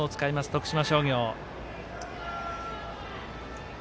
徳島商業。